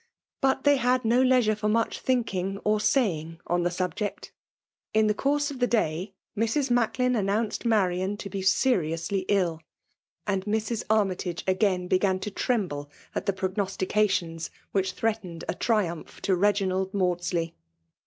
But they had no leisure for much thinking or saying on the subject. In the course of the day, Mrs. Macklin announced Marian to be seriously ill ; and Mrs. Armytage again began to tremble at the progpiostications which threatened a triumph to Reginald Maudsley.